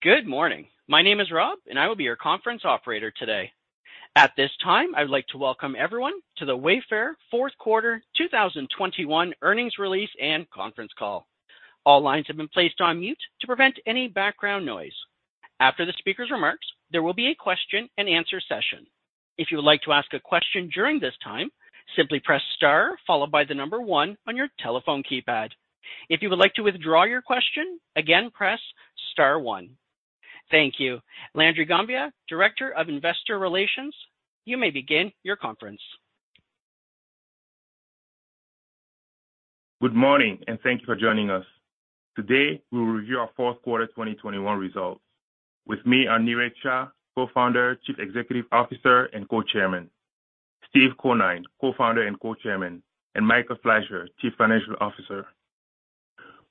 Good morning. My name is Rob, and I will be your conference operator today. At this time, I would like to Welcome Everyone to the Wayfair Fourth Quarter 2021 Earnings Release and Conference call. All lines have been placed on mute to prevent any background noise. After the speaker's remarks, there will be a question-and-answer session. If you would like to ask a question during this time, simply press star followed by the number 1 on your telephone keypad. If you would like to withdraw your question, again, press star 1. Thank you. Landry Ngambia, Director of Investor Relations, you may begin your conference. Good morning, and thank you for joining us. Today, we will review our Q4 2021 results. With me are Niraj Shah, Co-founder, Chief Executive Officer, and Co-Chairman, Steve Conine, Co-founder and Co-Chairman, and Michael Fleisher, Chief Financial Officer.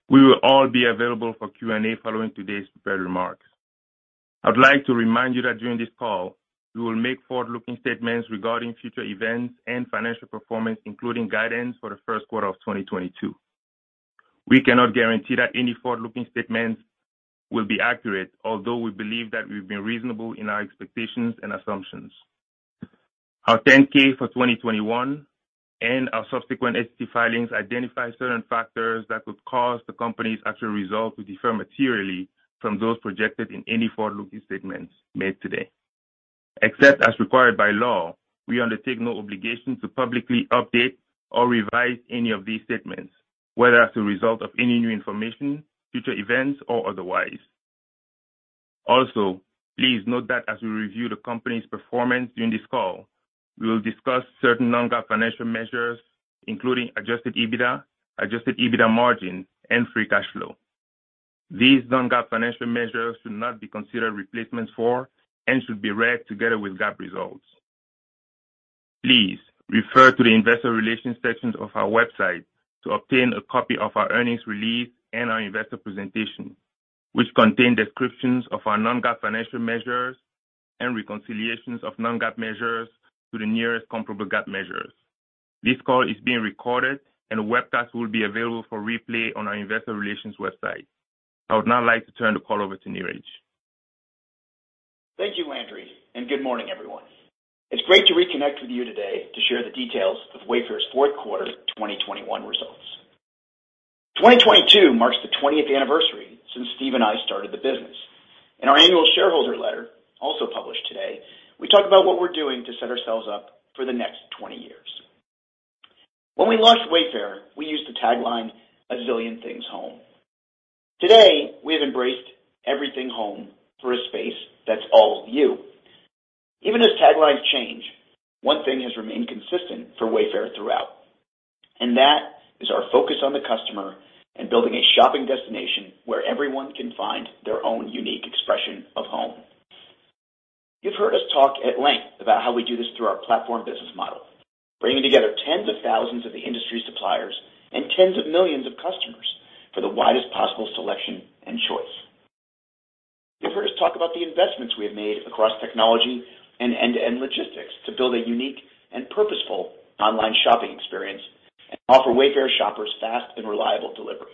We will all be available for Q&A following today's prepared remarks. I would like to remind you that during this call, we will make forward-looking statements regarding future events and financial performance, including guidance for the Q1 2022. We cannot guarantee that any forward-looking statements will be accurate, although we believe that we've been reasonable in our expectations and assumptions. Our 10-K for 2021 and our subsequent SEC filings identify certain factors that could cause the company's actual results to differ materially from those projected in any forward-looking statements made today. Except as required by law, we undertake no obligation to publicly update or revise any of these statements, whether as a result of any new information, future events, or otherwise. Also, please note that as we review the company's performance during this call, we will discuss certain non-GAAP financial measures, including adjusted EBITDA, adjusted EBITDA margin, and free cash flow. These non-GAAP financial measures should not be considered replacements for and should be read together with GAAP results. Please refer to the investor relations sections of our website to obtain a copy of our earnings release and our investor presentation, which contain descriptions of our non-GAAP financial measures and reconciliations of non-GAAP measures to the nearest comparable GAAP measures. This call is being recorded and a webcast will be available for replay on our investor relations website. I would now like to turn the call over to Niraj. Thank you, Landry, and good morning, everyone. It's great to reconnect with you today to share the details of Wayfair's fourth quarter 2021 results. 2022 marks the 20th anniversary since Steve and I started the business. In our annual shareholder letter, also published today, we talk about what we're doing to set ourselves up for the next 20 years. When we launched Wayfair, we used the tagline, "A zillion things home." Today, we have embraced everything home for a space that's all you. Even as taglines change, one thing has remained consistent for Wayfair throughout, and that is our focus on the customer and building a shopping destination where everyone can find their own unique expression of home. You've heard us talk at length about how we do this through our platform business model, bringing together tens of thousands of the industry suppliers and tens of millions of customers for the widest possible selection and choice. You've heard us talk about the investments we have made across technology and end-to-end logistics to build a unique and purposeful online shopping experience and offer Wayfair shoppers fast and reliable delivery.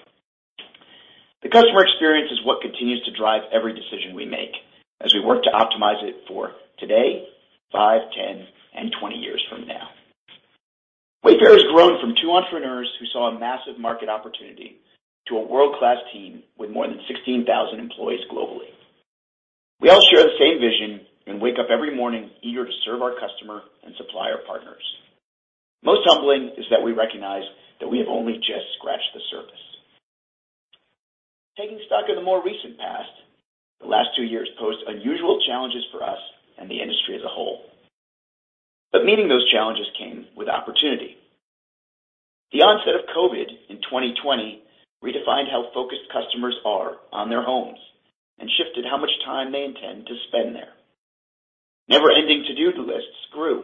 The customer experience is what continues to drive every decision we make as we work to optimize it for today, 5, 10, and 20 years from now. Wayfair has grown from two entrepreneurs who saw a massive market opportunity to a world-class team with more than 16,000 employees globally. We all share the same vision and wake up every morning eager to serve our customer and supplier partners. Most humbling is that we recognize that we have only just scratched the surface. Taking stock of the more recent past, the last two years posed unusual challenges for us and the industry as a whole. Meeting those challenges came with opportunity. The onset of COVID in 2020 redefined how focused customers are on their homes and shifted how much time they intend to spend there. Never-ending to-do lists grew,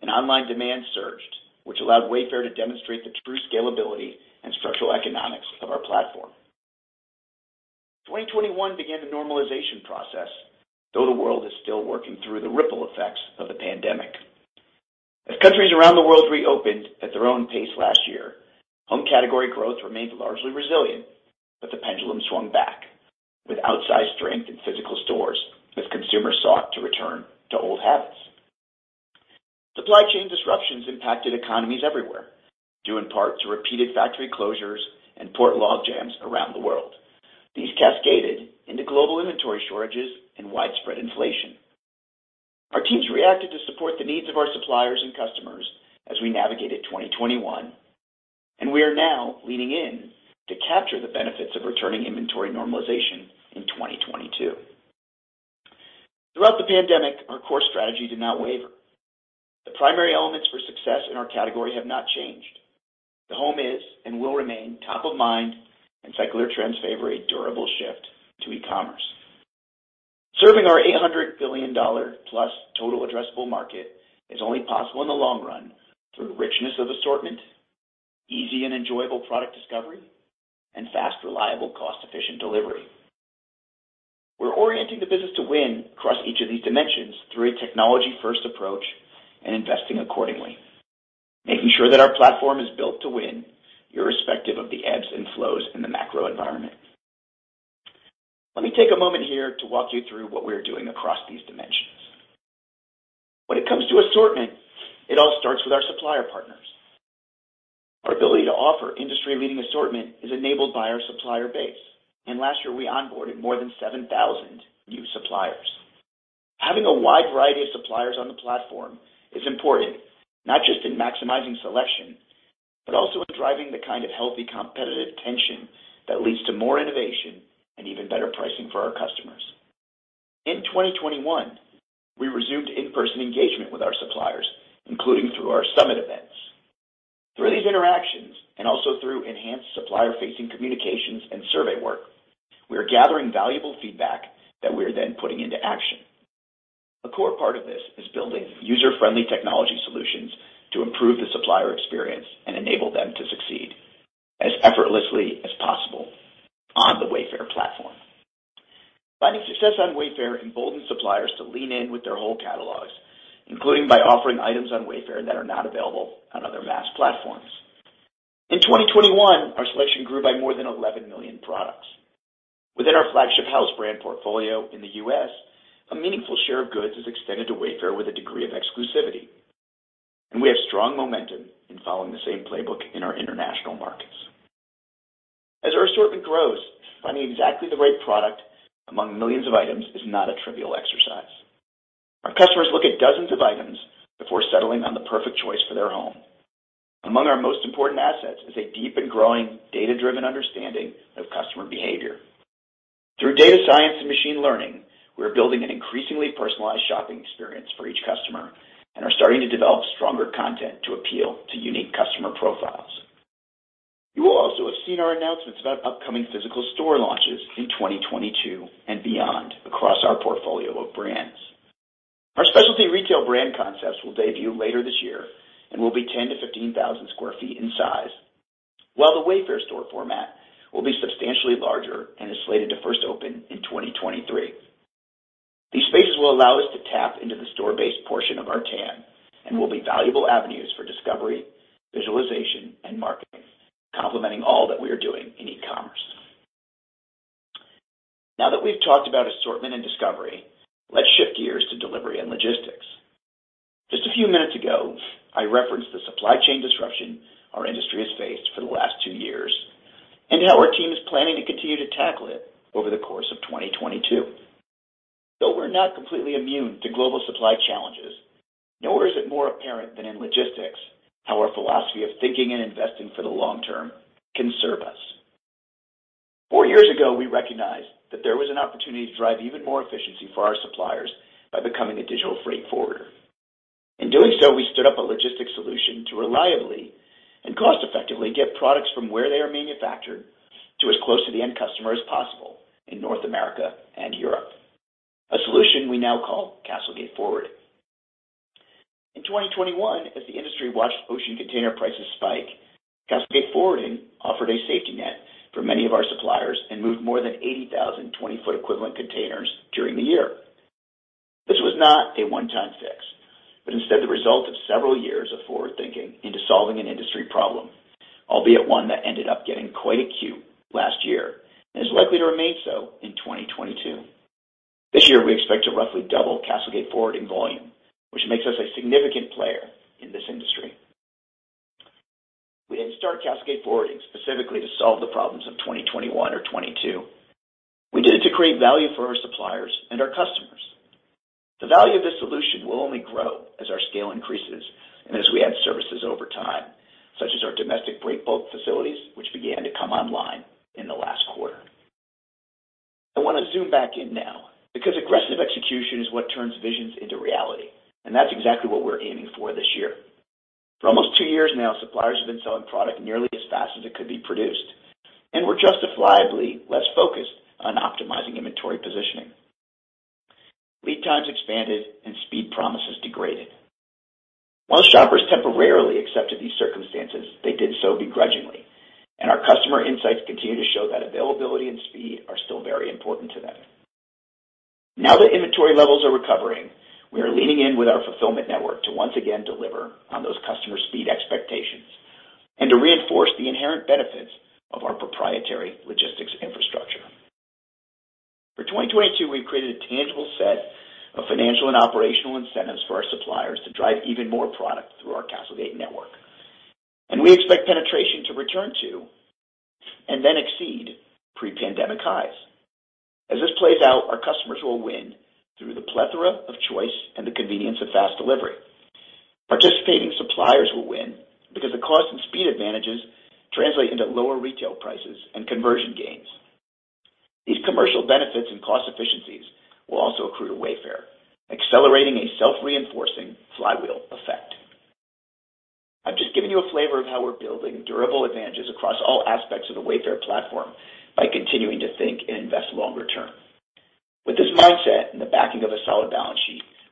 and online demand surged, which allowed Wayfair to demonstrate the true scalability and structural economics of our platform. 2021 began the normalization process, though the world is still working through the ripple effects of the pandemic. As countries around the world reopened at their own pace last year, home category growth remained largely resilient, but the pendulum swung back with outsized strength in physical stores as consumers sought to return to old habits. Supply chain disruptions impacted economies everywhere, due in part to repeated factory closures and port log jams around the world. These cascaded into global inventory shortages and widespread inflation. Our teams reacted to support the needs of our suppliers and customers as we navigated 2021, and we are now leaning in to capture the benefits of returning inventory normalization in 2022. Throughout the pandemic, our core strategy did not waver. The primary elements for success in our category have not changed. The home is and will remain top of mind, and secular trends favor a durable shift to e-commerce. Serving our $800 billion-plus total addressable market is only possible in the long run through richness of assortment, easy and enjoyable product discovery, and fast, reliable, cost-efficient delivery. We're orienting the business to win across each of these dimensions through a technology-first approach and investing accordingly, making sure that our platform is built to win irrespective of the ebbs and flows in the macro environment. Let me take a moment here to walk you through what we are doing across these dimensions. When it comes to assortment, it all starts with our supplier partners. Our ability to offer industry-leading assortment is enabled by our supplier base, and last year we onboarded more than 7,000 new suppliers. Having a wide variety of suppliers on the platform is important, not just in maximizing selection, but also in driving the kind of healthy, competitive tension that leads to more innovation and even better pricing for our customers. In 2021, we resumed in-person engagement with our suppliers, including through our summit events. Through these interactions, and also through enhanced supplier-facing communications and survey work, we are gathering valuable feedback that we are then putting into action. A core part of this is building user-friendly technology solutions to improve the supplier experience and enable them to succeed as effortlessly as possible on the Wayfair platform. Finding success on Wayfair emboldens suppliers to lean in with their whole catalogs, including by offering items on Wayfair that are not available on other mass platforms. In 2021, our selection grew by more than 11 million products. Within our flagship house brand portfolio in the US, a meaningful share of goods is extended to Wayfair with a degree of exclusivity, and we have strong momentum in following the same playbook in our international markets. As our assortment grows, finding exactly the right product among millions of items is not a trivial exercise. Our customers look at dozens of items before settling on the perfect choice for their home. Among our most important assets is a deep and growing data-driven understanding of customer behavior. Through data science and machine learning, we are building an increasingly personalized shopping experience for each customer and are starting to develop stronger content to appeal to unique customer profiles. You will also have seen our announcements about upcoming physical store launches in 2022 and beyond across our portfolio of brands. Our specialty retail brand concepts will debut later this year and will be 10,000-15,000 sq ft in size, while the Wayfair store format will be substantially larger and is slated to first open in 2023. These spaces will allow us to tap into the store-based portion of our TAM and will be valuable avenues for discovery, visualization, and marketing, complementing all that we are doing in e-commerce. Now that we've talked about assortment and discovery, let's shift gears to delivery and logistics. Just a few minutes ago, I referenced the supply chain disruption our industry has faced for the last 2 years and how our team is planning to continue to tackle it over the course of 2022. Though we're not completely immune to global supply challenges, nowhere is it more apparent than in logistics how our philosophy of thinking and investing for the long term can serve us. Four years ago, we recognized that there was an opportunity to drive even more efficiency for our suppliers by becoming a digital freight forwarder. In doing so, we stood up a logistics solution to reliably and cost-effectively get products from where they are manufactured to as close to the end customer as possible in North America and Europe. A solution we now call CastleGate Forwarding. In 2021, as the industry watched ocean container prices spike, CastleGate Forwarding offered a safety net for many of our suppliers and moved more than 80,000 20-foot equivalent containers during the year. This was not a one-time fix, but instead the result of several years of forward thinking into solving an industry problem, albeit one that ended up getting quite acute last year, and is likely to remain so in 2022. This year we expect to roughly double CastleGate Forwarding volume, which makes us a significant player in this industry. We didn't start CastleGate Forwarding specifically to solve the problems of 2021 or 2022. We did it to create value for our suppliers and our customers. The value of this solution will only grow as our scale increases and as we add services over time, such as our domestic break bulk facilities, which began to come online in the last quarter. I wanna zoom back in now because aggressive execution is what turns visions into reality, and that's exactly what we're aiming for this year. For almost two years now, suppliers have been selling product nearly as fast as it could be produced, and were justifiably less focused on optimizing inventory positioning. Lead times expanded and speed promises degraded. While shoppers temporarily accepted these circumstances, they did so begrudgingly, and our customer insights continue to show that availability and speed are still very important to them. Now that inventory levels are recovering, we are leaning in with our fulfillment network to once again deliver on those customer speed expectations and to reinforce the inherent benefits of our proprietary logistics infrastructure. For 2022, we've created a tangible set of financial and operational incentives for our suppliers to drive even more product through our CastleGate network, and we expect penetration to return to, and then exceed pre-pandemic highs. As this plays out, our customers will win through the plethora of choice and the convenience of fast delivery. Participating suppliers will win because the cost and speed advantages translate into lower retail prices and conversion gains. These commercial benefits and cost efficiencies will also accrue to Wayfair, accelerating a self-reinforcing flywheel effect. I've just given you a flavor of how we're building durable advantages across all aspects of the Wayfair platform by continuing to think and invest longer term. With this mindset,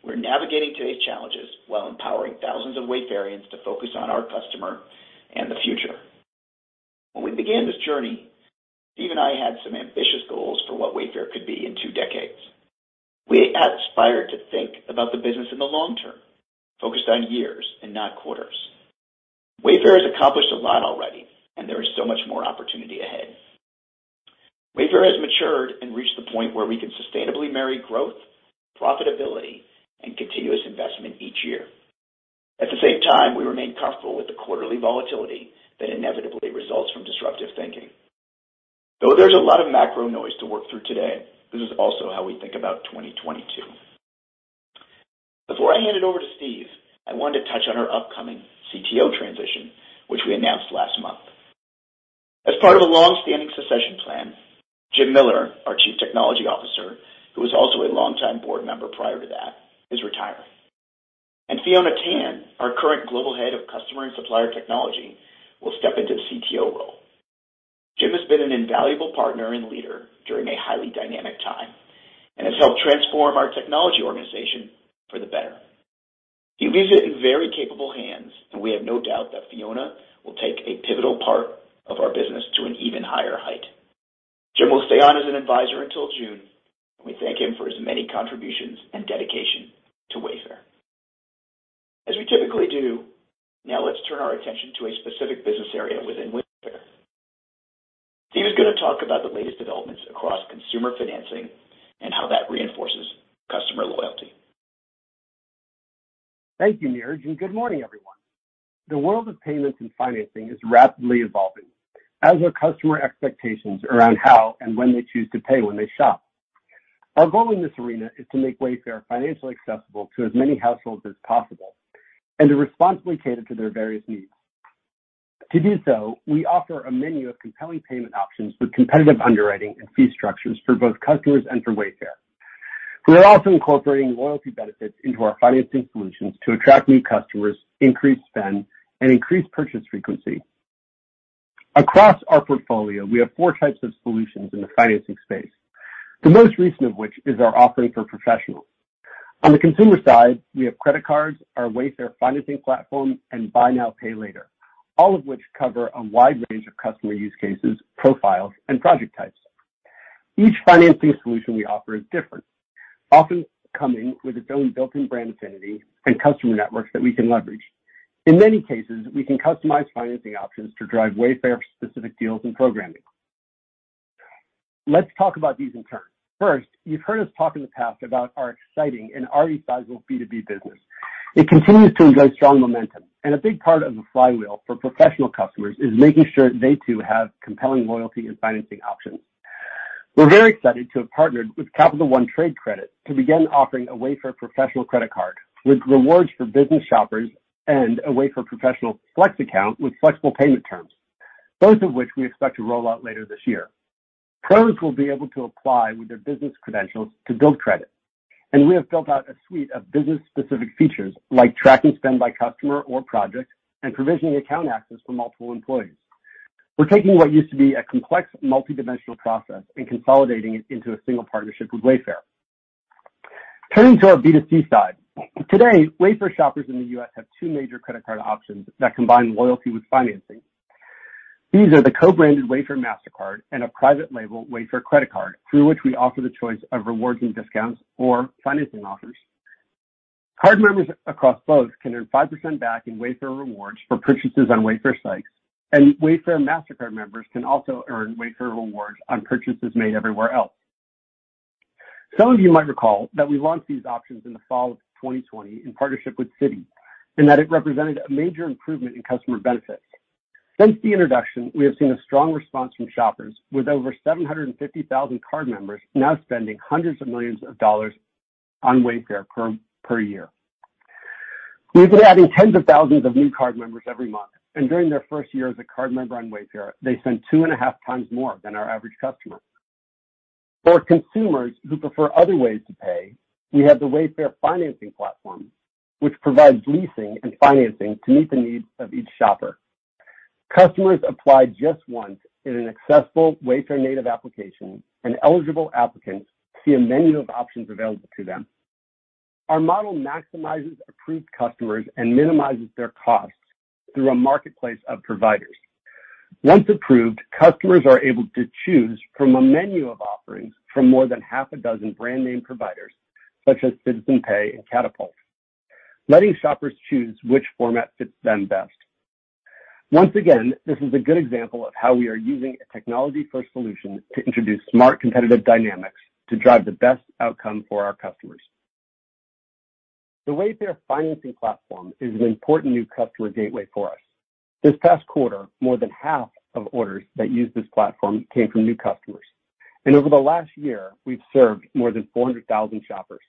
we're navigating today's challenges while empowering thousands of Wayfarians to focus on our customer and the future. When we began this journey, Steve and I had some ambitious goals for what Wayfair could be in two decades. We aspired to think about the business in the long term, focused on years and not quarters. Wayfair has accomplished a lot already, and there is so much more opportunity ahead. Wayfair has matured and reached the point where we can sustainably marry growth, profitability, and continuous investment each year. At the same time, we remain comfortable with the quarterly volatility that inevitably results from disruptive thinking. Though there's a lot of macro noise to work through today, this is also how we think about 2022. Before I hand it over to Steve, I wanted to touch on our upcoming CTO transition, which we announced last month. As part of a long-standing succession plan, Jim Miller, our Chief Technology Officer, who was also a longtime board member prior to that, is retiring. Fiona Tan, our current Global Head of Customer and Supplier Technology, will step into the CTO role. Jim has been an invaluable partner and leader during a highly dynamic time and has helped transform our technology organization for the better. He leaves it in very capable hands, and we have no doubt that Fiona will take a pivotal part of our business to an even higher height. Jim will stay on as an advisor until June. We thank him for his many contributions and dedication to Wayfair. As we typically do, now let's turn our attention to a specific business area within Wayfair. Steve is going to talk about the latest developments across consumer financing and how that reinforces customer loyalty. Thank you, Niraj, and good morning, everyone. The world of payments and financing is rapidly evolving, as are customer expectations around how and when they choose to pay when they shop. Our goal in this arena is to make Wayfair financially accessible to as many households as possible and to responsibly cater to their various needs. To do so, we offer a menu of compelling payment options with competitive underwriting and fee structures for both customers and for Wayfair. We are also incorporating loyalty benefits into our financing solutions to attract new customers, increase spend, and increase purchase frequency. Across our portfolio, we have four types of solutions in the financing space, the most recent of which is our offering for professionals. On the consumer side, we have credit cards, our Wayfair Financing platform, and buy now, pay later, all of which cover a wide range of customer use cases, profiles, and project types. Each financing solution we offer is different, often coming with its own built-in brand affinity and customer networks that we can leverage. In many cases, we can customize financing options to drive Wayfair-specific deals and programming. Let's talk about these in turn. First, you've heard us talk in the past about our exciting and already sizable B2B business. It continues to enjoy strong momentum, and a big part of the flywheel for professional customers is making sure they too have compelling loyalty and financing options. We're very excited to have partnered with Capital One Trade Credit to begin offering a Wayfair Professional Credit Card with rewards for business shoppers and a Wayfair Professional Flex Account with flexible payment terms, both of which we expect to roll out later this year. Pros will be able to apply with their business credentials to build credit, and we have built out a suite of business-specific features like tracking spend by customer or project and provisioning account access for multiple employees. We're taking what used to be a complex multi-dimensional process and consolidating it into a single partnership with Wayfair. Turning to our B2C side. Today, Wayfair shoppers in the US have two major credit card options that combine loyalty with financing. These are the co-branded Wayfair Mastercard and a private label Wayfair credit card, through which we offer the choice of rewards and discounts or financing offers. Card members across both can earn 5% back in Wayfair rewards for purchases on Wayfair sites, and Wayfair Mastercard members can also earn Wayfair rewards on purchases made everywhere else. Some of you might recall that we launched these options in the fall of 2020 in partnership with Citi, and that it represented a major improvement in customer benefit. Since the introduction, we have seen a strong response from shoppers with over 750,000 card members now spending $hundreds of millions on Wayfair per year. We've been adding tens of thousands of new card members every month, and during their first year as a card member on Wayfair, they spend 2.5 times more than our average customer. For consumers who prefer other ways to pay, we have the Wayfair Financing platform, which provides leasing and financing to meet the needs of each shopper. Customers apply just once in an accessible Wayfair native application, and eligible applicants see a menu of options available to them. Our model maximizes approved customers and minimizes their costs through a marketplace of providers. Once approved, customers are able to choose from a menu of offerings from more than half a dozen brand name providers such as Citizens Pay and Katapult, letting shoppers choose which format fits them best. Once again, this is a good example of how we are using a technology-first solution to introduce smart competitive dynamics to drive the best outcome for our customers. The Wayfair Financing platform is an important new customer gateway for us. This past quarter, more than half of orders that used this platform came from new customers, and over the last year, we've served more than 400,000 shoppers.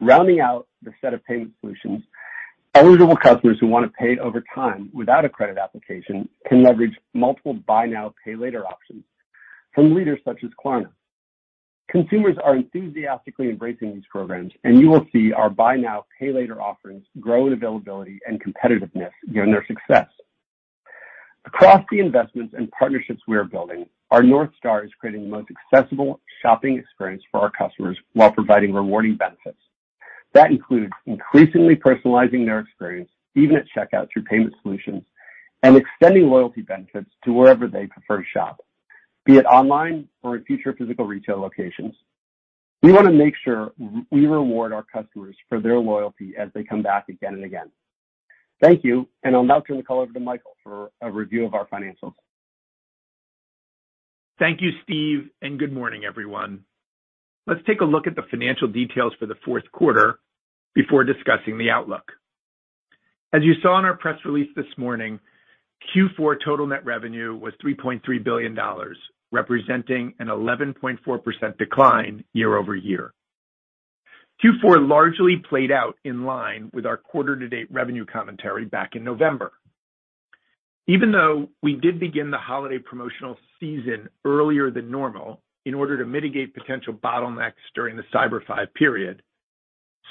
Rounding out the set of payment solutions, eligible customers who want to pay over time without a credit application can leverage multiple buy now, pay later options from leaders such as Klarna. Consumers are enthusiastically embracing these programs, and you will see our buy now, pay later offerings grow in availability and competitiveness given their success. Across the investments and partnerships we are building, our North Star is creating the most accessible shopping experience for our customers while providing rewarding benefits. That includes increasingly personalizing their experience, even at checkout through payment solutions, and extending loyalty benefits to wherever they prefer to shop, be it online or in future physical retail locations. We want to make sure we reward our customers for their loyalty as they come back again and again. Thank you. I'll now turn the call over to Michael for a review of our financials. Thank you, Steve, and good morning, everyone. Let's take a look at the financial details for the fourth quarter before discussing the outlook. As you saw in our press release this morning, Q4 total net revenue was $3.3 billion, representing an 11.4% decline year-over-year. Q4 largely played out in line with our quarter-to-date revenue commentary back in November. Even though we did begin the holiday promotional season earlier than normal in order to mitigate potential bottlenecks during the Cyber 5 period,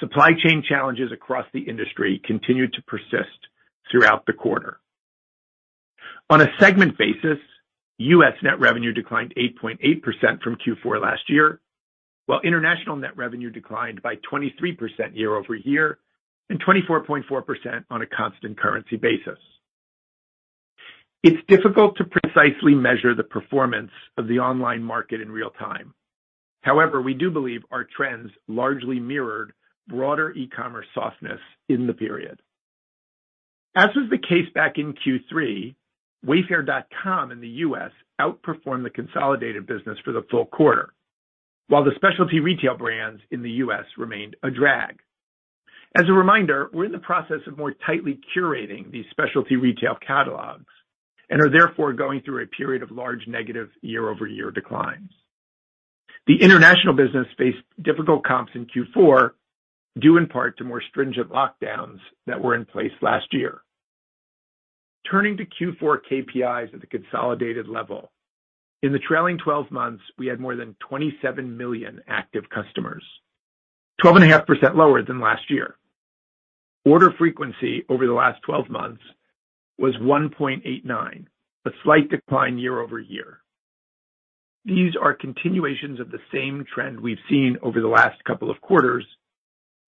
supply chain challenges across the industry continued to persist throughout the quarter. On a segment basis, US net revenue declined 8.8% from Q4 last year, while international net revenue declined by 23% year-over-year and 24.4% on a constant currency basis. It's difficult to precisely measure the performance of the online market in real time. However, we do believe our trends largely mirrored broader e-commerce softness in the period. As was the case back in Q3, wayfair.com in the US outperformed the consolidated business for the full quarter, while the specialty retail brands in the US remained a drag. As a reminder, we're in the process of more tightly curating these specialty retail catalogs and are therefore going through a period of large negative year-over-year declines. The international business faced difficult comps in Q4, due in part to more stringent lockdowns that were in place last year. Turning to Q4 KPIs at the consolidated level. In the trailing twelve months, we had more than 27 million active customers, 12.5% lower than last year. Order frequency over the last 12 months was 1.89, a slight decline year-over-year. These are continuations of the same trend we've seen over the last couple of quarters,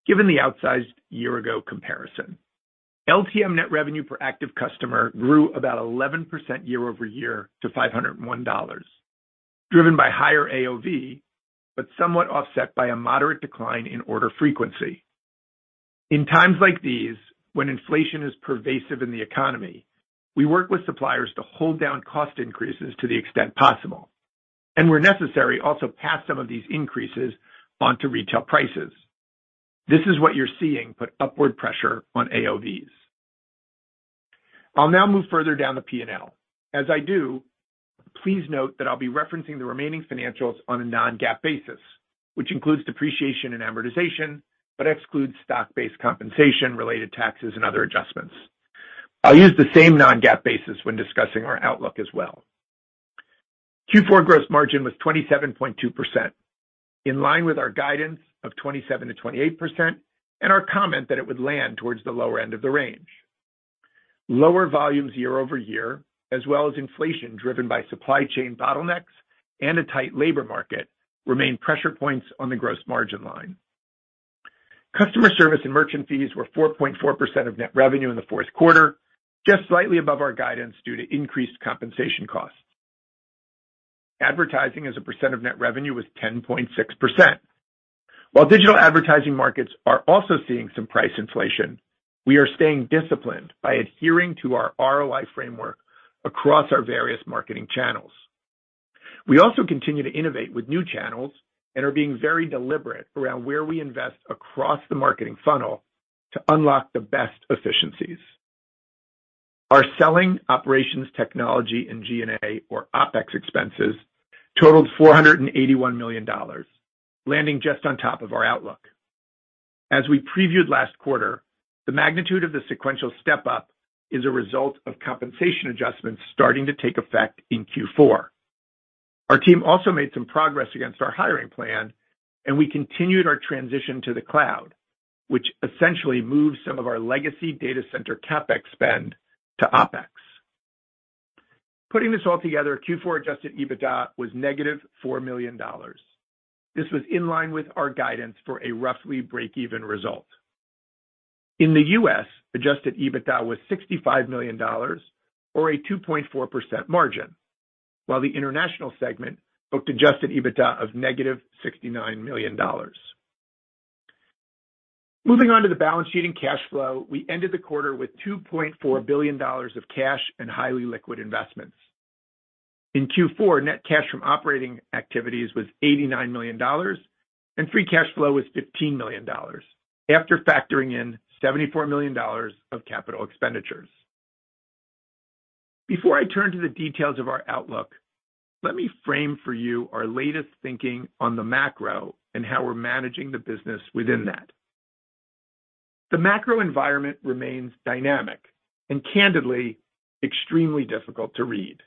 given the outsized year ago comparison. LTM net revenue per active customer grew about 11% year-over-year to $501, driven by higher AOV, but somewhat offset by a moderate decline in order frequency. In times like these, when inflation is pervasive in the economy, we work with suppliers to hold down cost increases to the extent possible, and where necessary, also pass some of these increases on to retail prices. This is what you're seeing put upward pressure on AOVs. I'll now move further down the P&L. As I do, please note that I'll be referencing the remaining financials on a non-GAAP basis, which includes depreciation and amortization, but excludes stock-based compensation, related taxes, and other adjustments. I'll use the same non-GAAP basis when discussing our outlook as well. Q4 gross margin was 27.2%, in line with our guidance of 27%-28% and our comment that it would land towards the lower end of the range. Lower volumes year-over-year, as well as inflation driven by supply chain bottlenecks and a tight labor market, remain pressure points on the gross margin line. Customer service and merchant fees were 4.4% of net revenue in the fourth quarter, just slightly above our guidance due to increased compensation costs. Advertising as a percent of net revenue was 10.6%. While digital advertising markets are also seeing some price inflation, we are staying disciplined by adhering to our ROI framework across our various marketing channels. We also continue to innovate with new channels and are being very deliberate around where we invest across the marketing funnel to unlock the best efficiencies. Our selling, operations, technology, and G&A or OpEx expenses totaled $481 million, landing just on top of our outlook. As we previewed last quarter, the magnitude of the sequential step-up is a result of compensation adjustments starting to take effect in Q4. Our team also made some progress against our hiring plan, and we continued our transition to the cloud, which essentially moves some of our legacy data center CapEx spend to OpEx. Putting this all together, Q4 Adjusted EBITDA was negative $4 million. This was in line with our guidance for a roughly break-even result. In the US, Adjusted EBITDA was $65 million or a 2.4% margin, while the international segment booked Adjusted EBITDA of $-69 million. Moving on to the balance sheet and cash flow, we ended the quarter with $2.4 billion of cash and highly liquid investments. In Q4, net cash from operating activities was $89 million and free cash flow was $15 million after factoring in $74 million of capital expenditures. Before I turn to the details of our outlook, let me frame for you our latest thinking on the macro and how we're managing the business within that. The macro environment remains dynamic and candidly extremely difficult to read.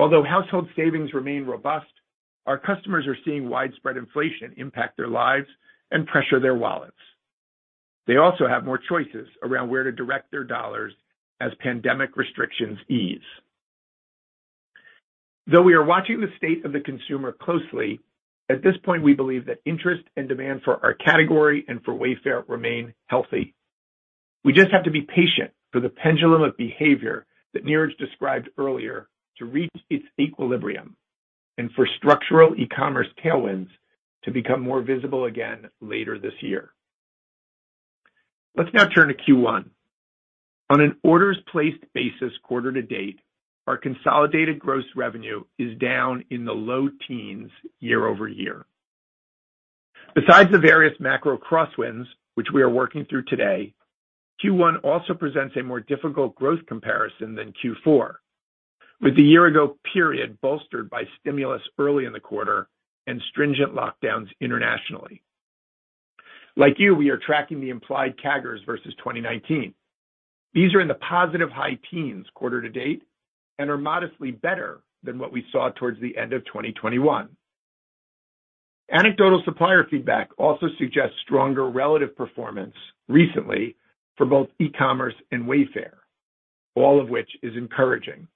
Although household savings remain robust, our customers are seeing widespread inflation impact their lives and pressure their wallets. They also have more choices around where to direct their dollars as pandemic restrictions ease. Though we are watching the state of the consumer closely, at this point we believe that interest and demand for our category and for Wayfair remain healthy. We just have to be patient for the pendulum of behavior that Niraj described earlier to reach its equilibrium and for structural e-commerce tailwinds to become more visible again later this year. Let's now turn to Q1. On an orders placed basis quarter to date, our consolidated gross revenue is down in the low teens% year-over-year. Besides the various macro crosswinds which we are working through today, Q1 also presents a more difficult growth comparison than Q4, with the year ago period bolstered by stimulus early in the quarter and stringent lockdowns internationally. Like you, we are tracking the implied CAGRs versus 2019. These are in the positive high teens quarter to date and are modestly better than what we saw towards the end of 2021. Anecdotal supplier feedback also suggests stronger relative performance recently for both e-commerce and Wayfair, all of which is encouraging.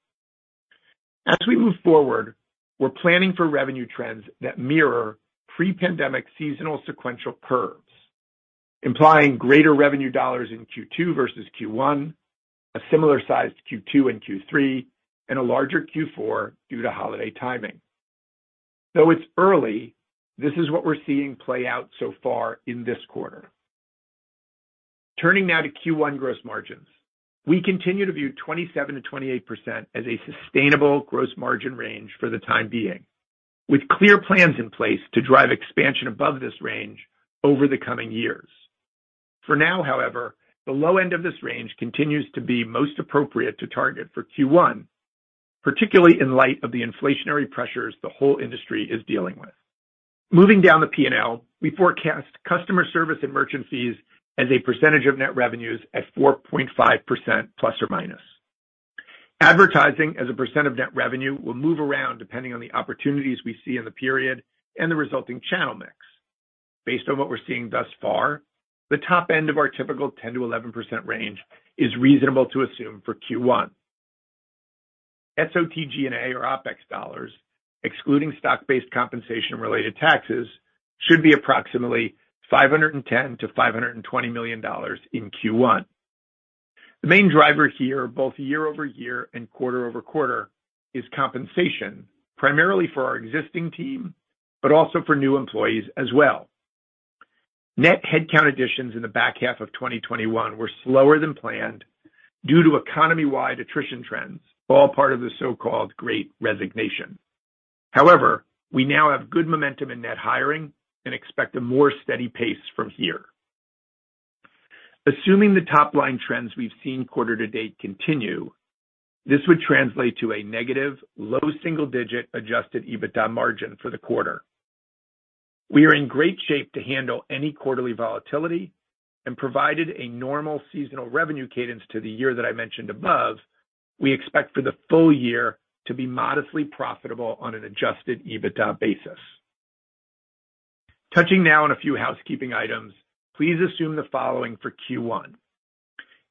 As we move forward, we're planning for revenue trends that mirror pre-pandemic seasonal sequential curves, implying greater revenue dollars in Q2 versus Q1, a similar size Q2 and Q3, and a larger Q4 due to holiday timing. Though it's early, this is what we're seeing play out so far in this quarter. Turning now to Q1 gross margins. We continue to view 27%-28% as a sustainable gross margin range for the time being, with clear plans in place to drive expansion above this range over the coming years. For now, however, the low end of this range continues to be most appropriate to target for Q1, particularly in light of the inflationary pressures the whole industry is dealing with. Moving down the P&L, we forecast customer service and merchant fees as a percentage of net revenues at 4.5% plus or minus. Advertising as a percent of net revenue will move around depending on the opportunities we see in the period and the resulting channel mix. Based on what we're seeing thus far, the top end of our typical 10%-11% range is reasonable to assume for Q1. SOTG&A or OpEx dollars, excluding stock-based compensation related taxes, should be approximately $510 million-$520 million in Q1. The main driver here, both year-over-year and quarter-over-quarter, is compensation, primarily for our existing team, but also for new employees as well. Net headcount additions in the back half of 2021 were slower than planned due to economy-wide attrition trends, all part of the so-called great resignation. However, we now have good momentum in net hiring and expect a more steady pace from here. Assuming the top-line trends we've seen quarter to date continue, this would translate to a negative low-single-digit Adjusted EBITDA margin for the quarter. We are in great shape to handle any quarterly volatility, and provided a normal seasonal revenue cadence to the year that I mentioned above, we expect for the full year to be modestly profitable on an Adjusted EBITDA basis. Touching now on a few housekeeping items. Please assume the following for Q1.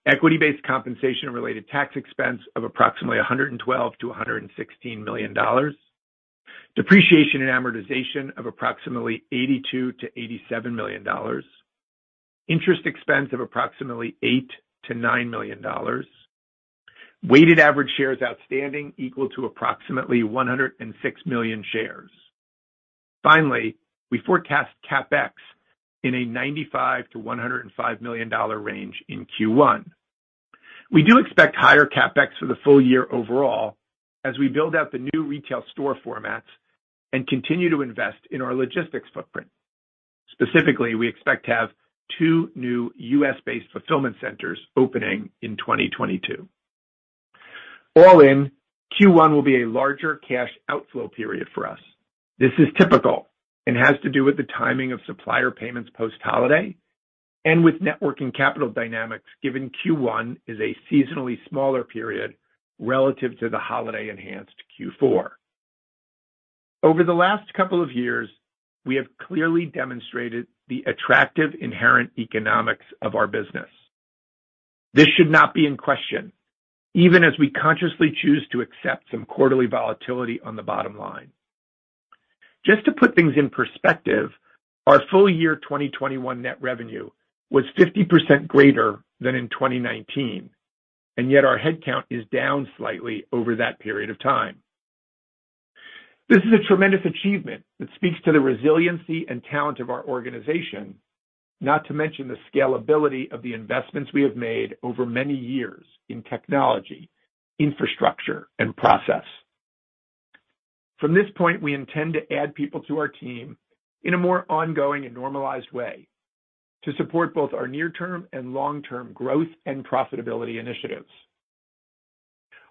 Equity-based compensation-related tax expense of approximately $112 million-$116 million. Depreciation and amortization of approximately $82 million-$87 million. Interest expense of approximately $8 million-$9 million. Weighted average shares outstanding equal to approximately 106 million shares. Finally, we forecast CapEx in a $95 million-$105 million range in Q1. We do expect higher CapEx for the full year overall as we build out the new retail store formats and continue to invest in our logistics footprint. Specifically, we expect to have 2 new US-based fulfillment centers opening in 2022. All in, Q1 will be a larger cash outflow period for us. This is typical and has to do with the timing of supplier payments post-holiday and with net working capital dynamics, given Q1 is a seasonally smaller period relative to the holiday-enhanced Q4. Over the last couple of years, we have clearly demonstrated the attractive inherent economics of our business. This should not be in question, even as we consciously choose to accept some quarterly volatility on the bottom line. Just to put things in perspective, our full year 2021 net revenue was 50% greater than in 2019, and yet our headcount is down slightly over that period of time. This is a tremendous achievement that speaks to the resiliency and talent of our organization, not to mention the scalability of the investments we have made over many years in technology, infrastructure, and process. From this point, we intend to add people to our team in a more ongoing and normalized way to support both our near-term and long-term growth and profitability initiatives.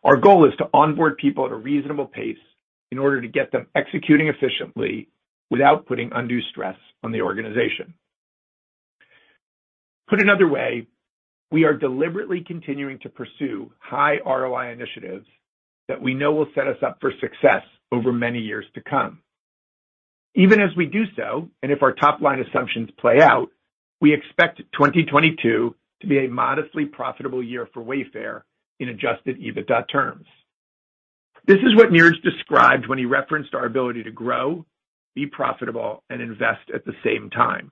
Our goal is to onboard people at a reasonable pace in order to get them executing efficiently without putting undue stress on the organization. Put another way, we are deliberately continuing to pursue high ROI initiatives that we know will set us up for success over many years to come. Even as we do so, and if our top-line assumptions play out, we expect 2022 to be a modestly profitable year for Wayfair in Adjusted EBITDA terms. This is what Niraj described when he referenced our ability to grow, be profitable, and invest at the same time.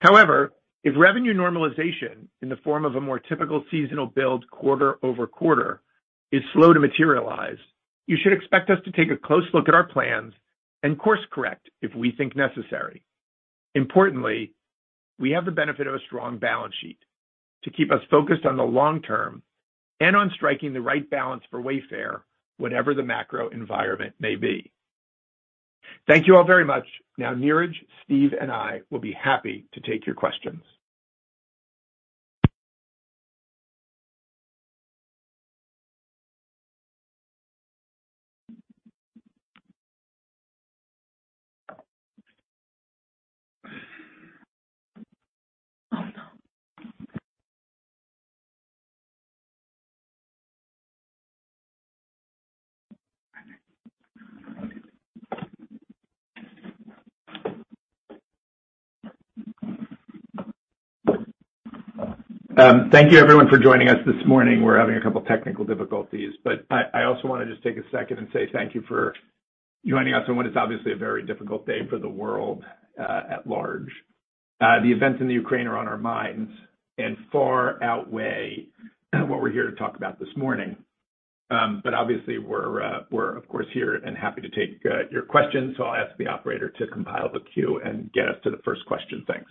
However, if revenue normalization in the form of a more typical seasonal build quarter over quarter is slow to materialize, you should expect us to take a close look at our plans and course correct if we think necessary. Importantly, we have the benefit of a strong balance sheet to keep us focused on the long term and on striking the right balance for Wayfair, whatever the macro environment may be. Thank you all very much. Now Niraj, Steve, and I will be happy to take your questions. Thank you everyone for joining us this morning. We're having a couple of technical difficulties, but I also wanna just take a second and say thank you for joining us on what is obviously a very difficult day for the world at large. The events in the Ukraine are on our minds and far outweigh what we're here to talk about this morning. Obviously we're of course here and happy to take your questions. I'll ask the operator to compile the queue and get us to the first question. Thanks.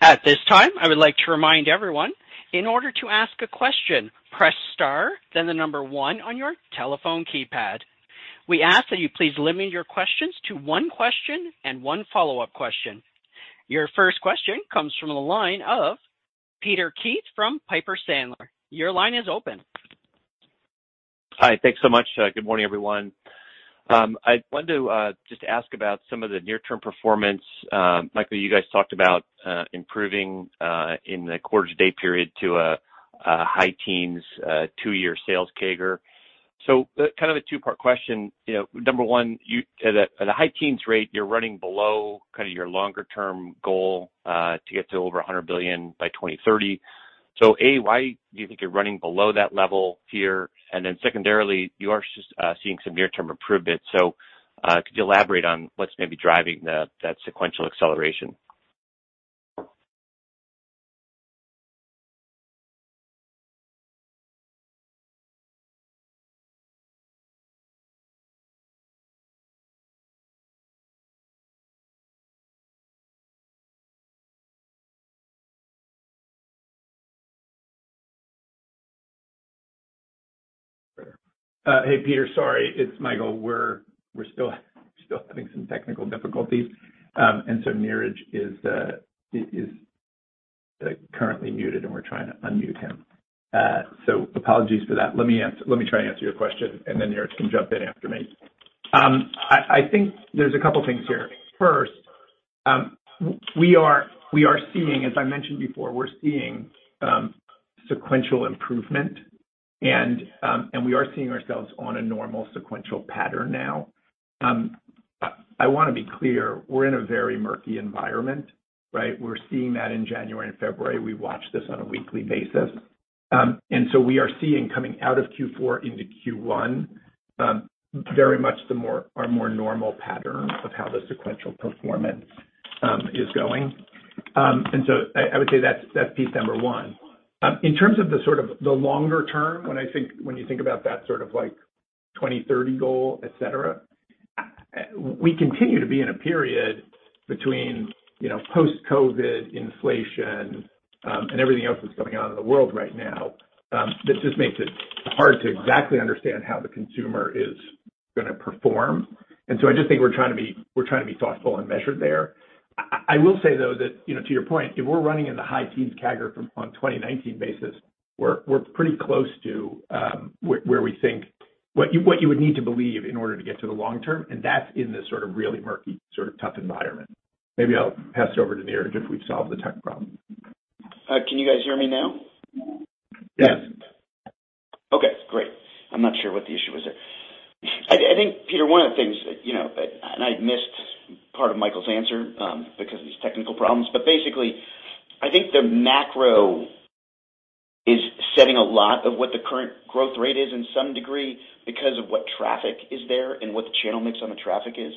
At this time, I would like to remind everyone, in order to ask a question, press star, then the number one on your telephone keypad. We ask that you please limit your questions to one question and one follow-up question. Your first question comes from the line of Peter Keith from Piper Sandler. Your line is open. Hi. Thanks so much. Good morning, everyone. I want to just ask about some of the near-term performance. Michael, you guys talked about improving in the quarter-to-date period to a high-teens two-year sales CAGR. Kind of a two-part question. You know, number one, at a high-teens rate, you're running below kinda your longer-term goal to get to over $100 billion by 2030. A, why do you think you're running below that level here? Then secondarily, you are seeing some near-term improvement, so could you elaborate on what's maybe driving that sequential acceleration? Hey, Peter. Sorry, it's Michael. We're still having some technical difficulties. Niraj is currently muted, and we're trying to unmute him. Apologies for that. Let me try to answer your question, and then Niraj can jump in after me. I think there's a couple things here. First, we are seeing, as I mentioned before, we're seeing sequential improvement. We are seeing ourselves on a normal sequential pattern now. I wanna be clear, we're in a very murky environment, right? We're seeing that in January and February. We watch this on a weekly basis. We are seeing coming out of Q4 into Q1 very much our more normal pattern of how the sequential performance is going. I would say that's piece number one. In terms of the sort of the longer term, when I think, when you think about that sort of like 2030 goal, et cetera, we continue to be in a period between, you know, post-COVID inflation, and everything else that's going on in the world right now, that just makes it hard to exactly understand how the consumer is gonna perform. I just think we're trying to be thoughtful and measured there. I will say though that, you know, to your point, if we're running in the high teens CAGR from, on 2019 basis, we're pretty close to where we think... What you would need to believe in order to get to the long term, and that's in this sort of really murky, sort of tough environment. Maybe I'll pass it over to Niraj if we've solved the tech problem. Can you guys hear me now? Yes. Okay, great. I'm not sure what the issue was there. I think, Peter, one of the things, you know, and I missed part of Michael's answer, because of these technical problems. Basically, I think the macro is setting a lot of what the current growth rate is in some degree because of what traffic is there and what the channel mix on the traffic is.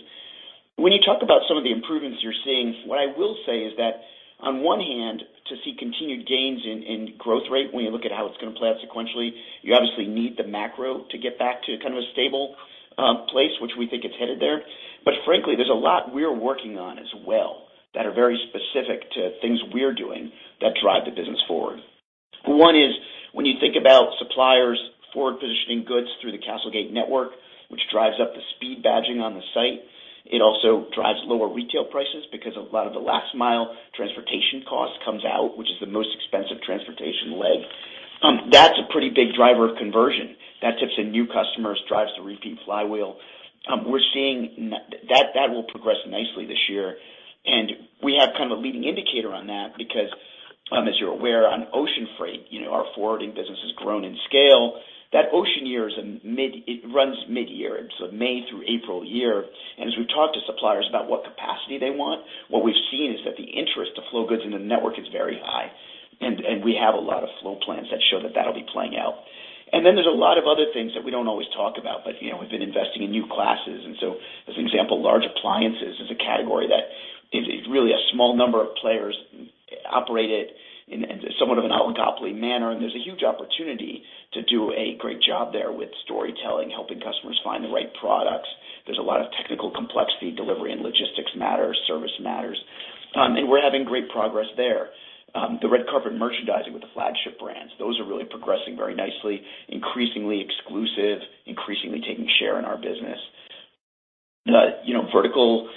When you talk about some of the improvements you're seeing, what I will say is that on one hand, to see continued gains in growth rate when you look at how it's gonna play out sequentially, you obviously need the macro to get back to kind of a stable place, which we think is headed there. Frankly, there's a lot we're working on as well that are very specific to things we're doing that drive the business forward. One is when you think about suppliers forward-positioning goods through the CastleGate network, which drives up the speed badging on the site. It also drives lower retail prices because a lot of the last mile transportation cost comes out, which is the most expensive transportation leg. That's a pretty big driver of conversion. That tips in new customers, drives the repeat flywheel. We're seeing that will progress nicely this year. We have kind of a leading indicator on that because, as you're aware, on ocean freight, you know, our forwarding business has grown in scale. That ocean year runs mid-year, and so May through April year. As we talk to suppliers about what capacity they want, what we've seen is that the interest to flow goods in the network is very high, and we have a lot of flow plans that show that that'll be playing out. Then there's a lot of other things that we don't always talk about, but, you know, we've been investing in new classes. As an example, large appliances is a category that really a small number of players operate it in somewhat of an oligopoly manner, and there's a huge opportunity to do a great job there with storytelling, helping customers find the right products. There's a lot of technical complexity, delivery and logistics matters, service matters. We're having great progress there. The red carpet merchandising with the flagship brands, those are really progressing very nicely, increasingly exclusive, increasingly taking share in our business. You know, vertical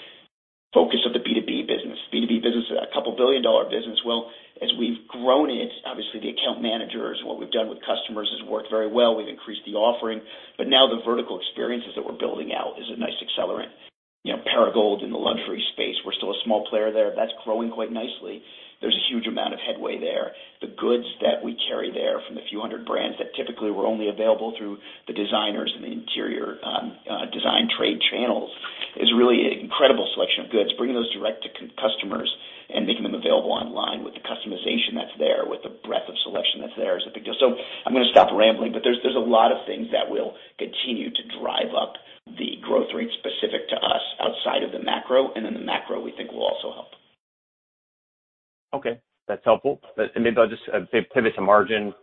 focus of the B2B business. B2B business is a couple billion dollar business. Well, as we've grown it, obviously the account managers, what we've done with customers has worked very well. We've increased the offering, but now the vertical experiences that we're building out is a nice accelerant. You know, Perigold in the luxury space, we're still a small player there. That's growing quite nicely. There's a huge amount of headway there. The goods that we carry there from the few hundred brands that typically were only available through the designers and the interior design trade channels is really incredible selection of goods. Bringing those direct to customers and making them available online with the customization that's there, with the breadth of selection that's there is a big deal. I'm gonna stop rambling, but there's a lot of things that will continue to drive up the growth rate specific to us outside of the macro, and then the macro we think will also help. Okay. That's helpful. Maybe I'll just say pivot to margin.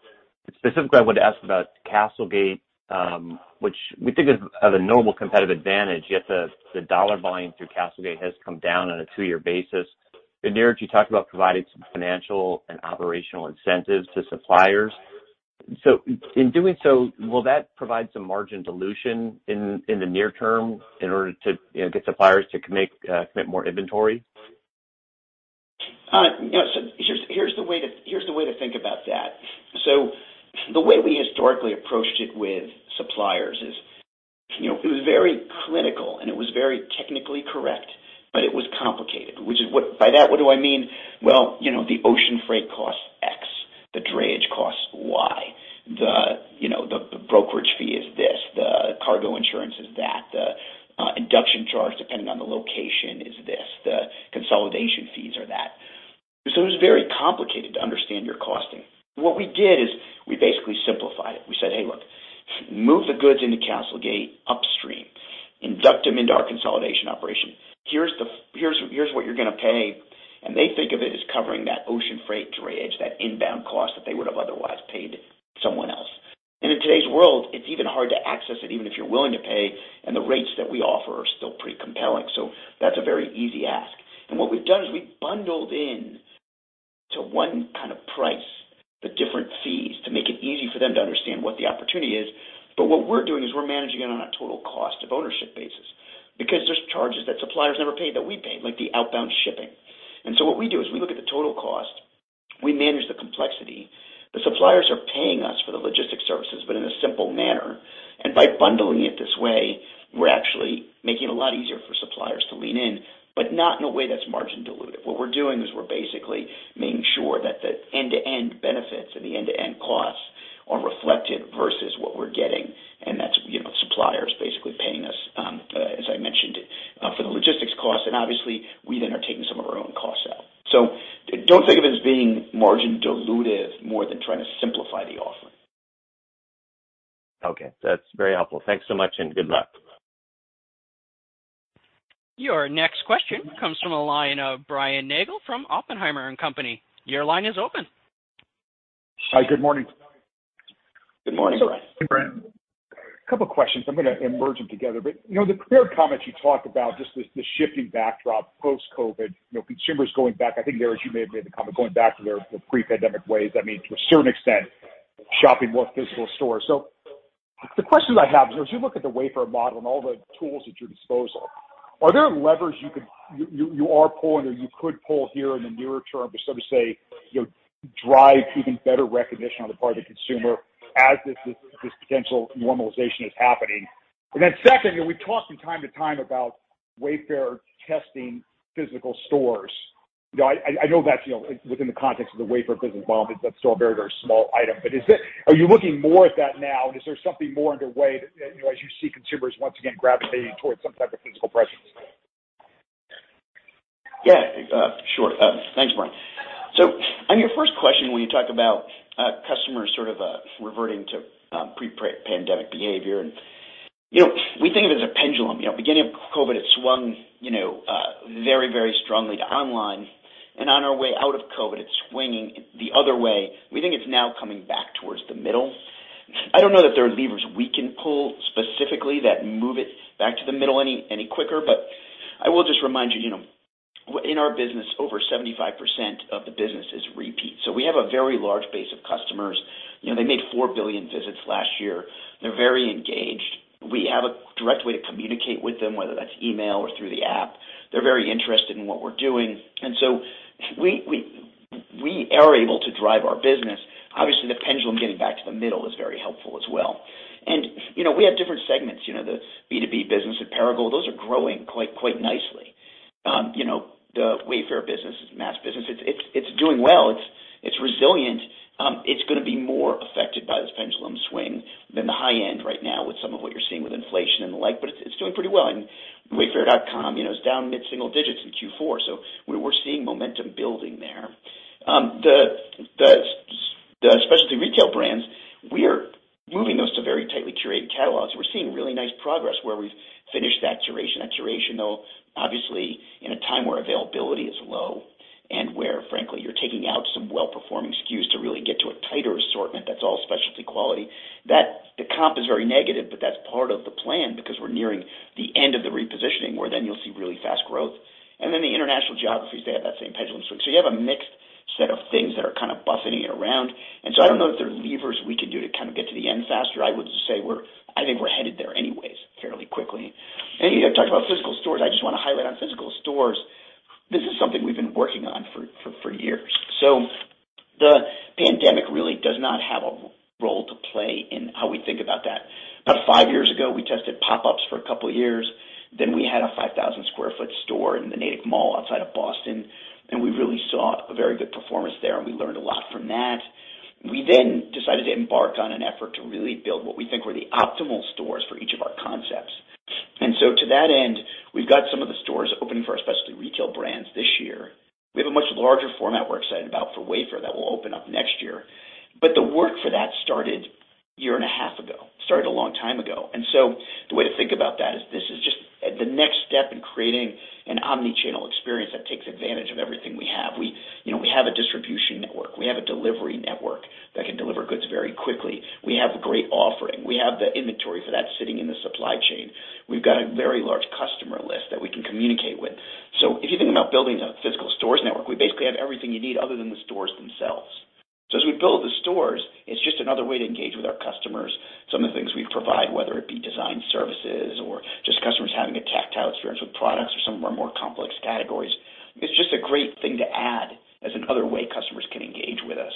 Specifically, I would ask about CastleGate, which we think of a normal competitive advantage, yet the dollar volume through CastleGate has come down on a two-year basis. Niraj, you talked about providing some financial and operational incentives to suppliers. In doing so, will that provide some margin dilution in the near term in order to, you know, get suppliers to make commit more inventory? You know, here's the way to think about that. The way we historically approached it with suppliers is, you know, it was very clinical and it was very technically correct, but it was complicated, which is what. By that, what do I mean? Well, you know, the ocean freight cost X, the drayage cost Y. The brokerage fee is this, the cargo insurance is that, the induction charge, depending on the location, is this, the consolidation fees are that. It was very complicated to understand your costing. What we did is we basically simplified it. We said, "Hey, look, move the goods into CastleGate upstream, induct them into our consolidation operation. Here's what you're gonna pay. They think of it as covering that ocean freight drayage, that inbound cost that they would have otherwise paid someone else. In today's world, it's even hard to access it, even if you're willing to pay, and the rates that we offer are still pretty compelling. That's a very easy ask. What we've done is we've bundled into one kind of price the different fees to make it easy for them to understand what the opportunity is. What we're doing is we're managing it on a total cost of ownership basis because there's charges that suppliers never paid that we paid, like the outbound shipping. What we do is we look at the total cost, we manage the complexity. The suppliers are paying us for the logistics services, but in a simple manner. By bundling it this way, we're actually making it a lot easier for suppliers to lean in, but not in a way that's margin dilutive. What we're doing is we're basically making sure that the end-to-end benefits and the end-to-end costs are reflected versus what we're getting, and that's, you know, suppliers basically paying us, as I mentioned, for the logistics costs, and obviously we then are taking some of our own costs out. Don't think of it as being margin dilutive more than trying to simplify the offering. Okay. That's very helpful. Thanks so much and good luck. Your next question comes from the line of Brian Nagel from Oppenheimer & Co. Your line is open. Hi. Good morning. Good morning, Brian. Hey, Brian. A couple questions. I'm gonna merge them together. You know, the clear comments you talked about, just this shifting backdrop post-COVID, you know, consumers going back, I think, Niraj, you may have made the comment, going back to their pre-pandemic ways. That means, to a certain extent, shopping more physical stores. The questions I have is, as you look at the Wayfair model and all the tools at your disposal, are there levers you are pulling or you could pull here in the nearer term to sort of say, you know, drive even better recognition on the part of the consumer as this potential normalization is happening? Then second, you know, we've talked from time to time about Wayfair testing physical stores. You know, I know that's, you know, within the context of the Wayfair business model, that's still a very, very small item. But are you looking more at that now, and is there something more underway, you know, as you see consumers once again gravitating towards some type of physical presence? Yeah. Sure. Thanks, Brian. On your first question, when you talk about customers sort of reverting to pre-pandemic behavior. You know, we think of it as a pendulum. You know, beginning of COVID, it swung you know very very strongly to online. And on our way out of COVID, it's swinging the other way. We think it's now coming back towards the middle. I don't know that there are levers we can pull specifically that move it back to the middle any quicker, but I will just remind you you know in our business, over 75% of the business is repeat. So we have a very large base of customers. You know, they made 4 billion visits last year. They're very engaged. We have a direct way to communicate with them, whether that's email or through the app. They're very interested in what we're doing. We are able to drive our business. Obviously, the pendulum getting back to the middle is very helpful as well. You know, we have different segments, you know, the B2B business with Perigold, those are growing quite nicely. You know, the Wayfair business, mass business, it's doing well. It's resilient. It's gonna be more affected by this pendulum swing than the high end right now with some of what you're seeing with inflation and the like, but it's doing pretty well. wayfair.com, you know, is down mid-single digits in Q4. We're seeing momentum building there. The specialty retail brands, we're moving those to very tightly curated catalogs. We're seeing really nice progress where we've finished that curation. That curation, though, obviously in a time where availability is low and where frankly, you're taking out some well-performing SKUs to really get to a tighter assortment that's all specialty quality, that the comp is very negative, but that's part of the plan because we're nearing the end of the repositioning, where then you'll see really fast growth. The international geographies, they have that same pendulum swing. You have a mixed set of things that are kind of buffeting it around. I don't know if there are levers we can do to kind of get to the end faster. I would just say we're, I think we're headed there anyways fairly quickly. You know, talk about physical stores. I just wanna highlight on physical stores, this is something we've been working on for years. The pandemic really does not have a role to play in how we think about that. About 5 years ago, we tested pop-ups for a couple years. We had a 5,000 sq ft store in the Natick Mall outside of Boston, and we really saw a very good performance there, and we learned a lot from that. We then decided to embark on an effort to really build what we think were the optimal stores for each of our concepts. To that end, we've got some of the stores opening for our Specialty Retail Brands this year. We have a much larger format we're excited about for Wayfair that will open up next year. The work for that started a year and a half ago, started a long time ago. The way to think about that is this is just the next step in creating an omni-channel experience that takes advantage of everything we have. We, you know, have a distribution network. We have a delivery network that can deliver goods very quickly. We have a great offering. We have the inventory for that sitting in the supply chain. We've got a very large customer list that we can communicate with. If you think about building a physical stores network, we basically have everything you need other than the stores themselves. As we build the stores, it's just another way to engage with our customers. Some of the things we provide, whether it be design services or just customers having a tactile experience with products or some of our more complex categories, it's just a great thing to add as another way customers can engage with us.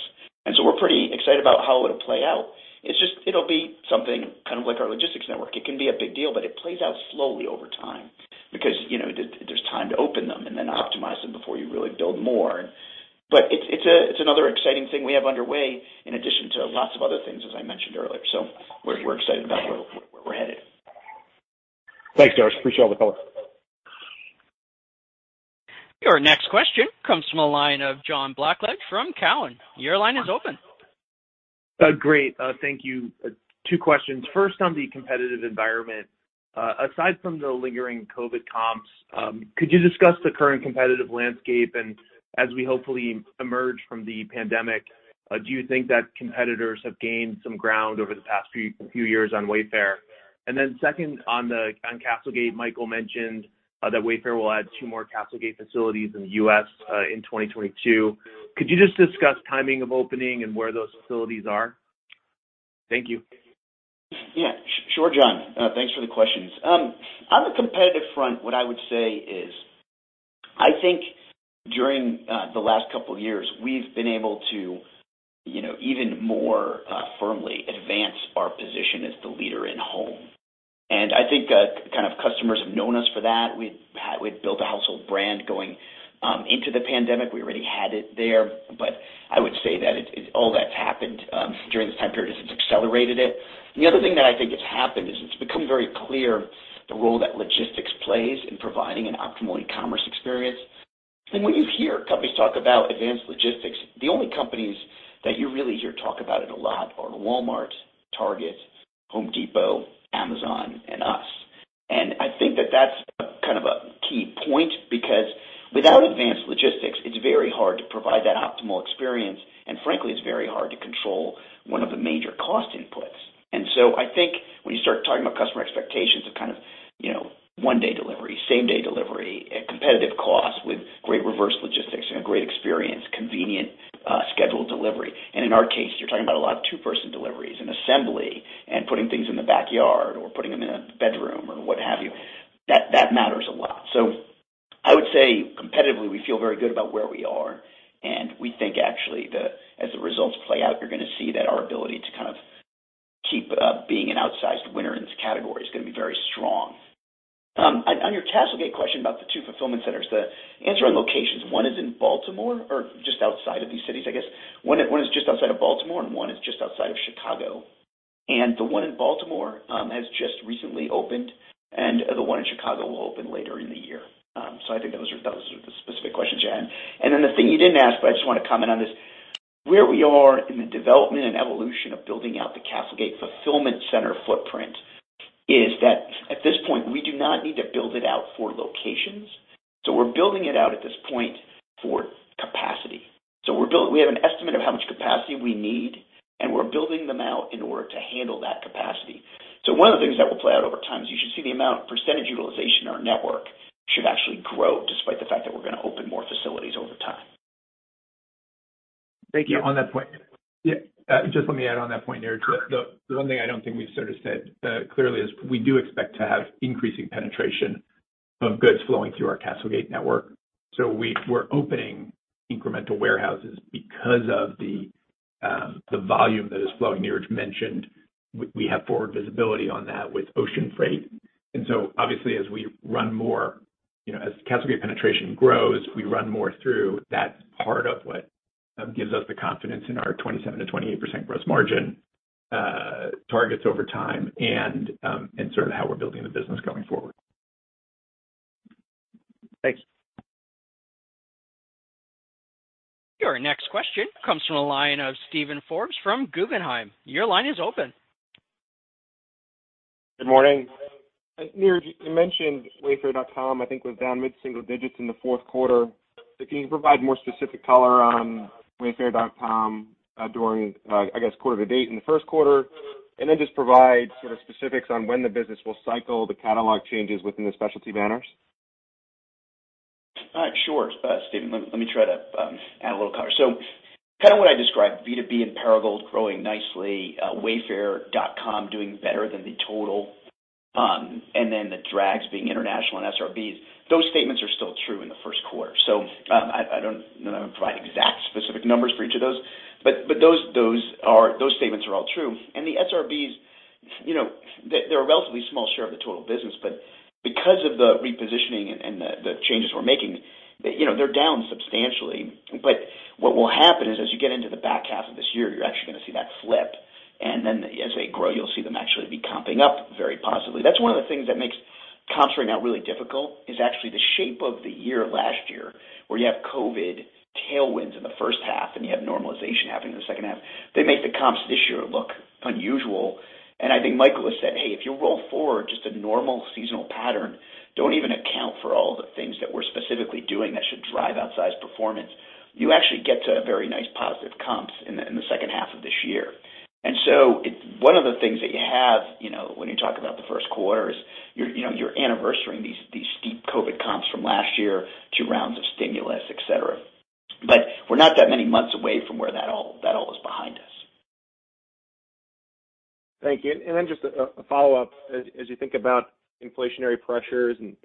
We're pretty excited about how it'll play out. It's just it'll be something kind of like our logistics network. It can be a big deal, but it plays out slowly over time because, you know, there's time to open them and then optimize them before you really build more. But it's another exciting thing we have underway in addition to lots of other things, as I mentioned earlier. We're excited about where we're headed. Thanks, Niraj. I appreciate all the color. Your next question comes from the line of John Blackledge from Cowen. Your line is open. Great. Thank you. 2 questions. First, on the competitive environment. Aside from the lingering COVID comps, could you discuss the current competitive landscape? As we hopefully emerge from the pandemic, do you think that competitors have gained some ground over the past few years on Wayfair? Second, on CastleGate, Michael mentioned that Wayfair will add 2 more CastleGate facilities in the US in 2022. Could you just discuss timing of opening and where those facilities are? Thank you. Sure, John. Thanks for the questions. On the competitive front, what I would say is, I think during the last couple years, we've been able to, you know, even more firmly advance our position as the leader in home. I think kind of customers have known us for that. We've built a household brand going into the pandemic. We already had it there. I would say that all that's happened during this time period is it's accelerated it. The other thing that I think has happened is it's become very clear the role that logistics plays in providing an optimal e-commerce experience. When you hear companies talk about advanced logistics, the only companies that you really hear talk about it a lot are Walmart, Target, Home Depot, Amazon, and us. I think that that's a, kind of a key point because without advanced logistics, it's very hard to provide that optimal experience. Frankly, it's very hard to control one of the major cost inputs. I think when you start talking about customer expectations of kind of, you know, one-day delivery, same-day delivery at competitive cost with great reverse logistics and a great experience, convenient, scheduled delivery, and in our case, you're talking about a lot of two-person deliveries and assembly and putting things in the backyard or putting them in a bedroom or what have you, that matters a lot. I would say competitively, we feel very good about where we are, and we think actually as the results play out, you're gonna see that our ability to kind of keep being an outsized winner in this category is gonna be very strong. On your CastleGate question about the two fulfillment centers, the answer on locations, one is just outside of Baltimore, and one is just outside of Chicago. The one in Baltimore has just recently opened, and the one in Chicago will open later in the year. I think those are the specific questions you had. The thing you didn't ask, but I just wanna comment on this, where we are in the development and evolution of building out the CastleGate fulfillment center footprint is that at this point, we do not need to build it out for locations, so we're building it out at this point for capacity. We have an estimate of how much capacity we need, and we're building them out in order to handle that capacity. One of the things that will play out over time is you should see the amount of percentage utilization in our network should actually grow despite the fact that we're gonna open more facilities over time. Thank you. Yeah, on that point. Yeah, just let me add on that point there. The one thing I don't think we've sort of said clearly is we do expect to have increasing penetration Of goods flowing through our CastleGate network. We're opening incremental warehouses because of the volume that is flowing, Niraj mentioned. We have forward visibility on that with ocean freight. Obviously as we run more, you know, as CastleGate penetration grows, we run more through, that's part of what gives us the confidence in our 27%-28% gross margin targets over time and sort of how we're building the business going forward. Thanks. Your next question comes from the line of Steven Forbes from Guggenheim. Your line is open. Good morning. Niraj, you mentioned wayfair.com, I think, was down mid-single digits in the fourth quarter. Can you provide more specific color on wayfair.com during, I guess, quarter to date in the first quarter? And then just provide sort of specifics on when the business will cycle the catalog changes within the specialty banners. Sure, Steven, let me try to add a little color. Kind of what I described, B2B and Perigold growing nicely, wayfair.com doing better than the total, and then the drags being international and SRBs. Those statements are still true in the first quarter. I don't know that I'm gonna provide exact specific numbers for each of those, but those statements are all true. The SRBs, you know, they're a relatively small share of the total business, but because of the repositioning and the changes we're making, they, you know, they're down substantially. What will happen is as you get into the back half of this year, you're actually gonna see that flip. Then as they grow, you'll see them actually be comping up very positively. That's one of the things that makes comping right now really difficult, is actually the shape of the year last year, where you have COVID tailwinds in the first half, and you have normalization happening in the second half. They make the comps this year look unusual. I think Michael has said, "Hey, if you roll forward just a normal seasonal pattern, don't even account for all the things that we're specifically doing that should drive outsized performance, you actually get to very nice positive comps in the second half of this year." One of the things that you have, you know, when you talk about the first quarter is you're, you know, anniversarying these steep COVID comps from last year, two rounds of stimulus, et cetera. We're not that many months away from where that all is behind us. Thank you. Then just a follow-up. As you think about inflationary pressures and,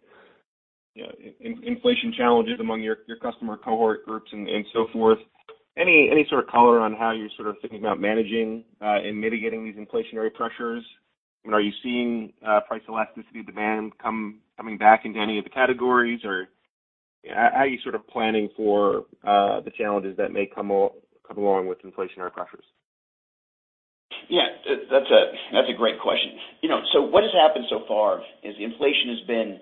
you know, inflation challenges among your customer cohort groups and so forth, any sort of color on how you're sort of thinking about managing and mitigating these inflationary pressures? Are you seeing price elasticity of demand coming back into any of the categories? Or how are you sort of planning for the challenges that may come along with inflationary pressures? Yeah. That's a great question. You know, what has happened so far is inflation has been,